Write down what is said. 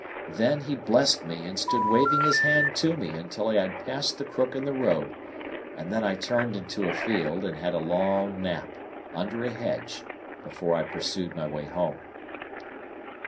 Then, he blessed me and stood waving his hand to me until I had passed the crook in the road; and then I turned into a field and had a long nap under a hedge before I pursued my way home.